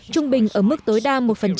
trung bình ở mức tối đa một